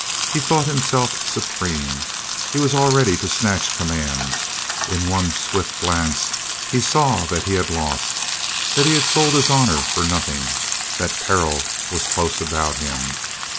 He thought himself supreme. He was all ready to snatch com mand. ... In one swift glance he saw that he had lost, that he had sold his honor for nothing, that peril was close about him.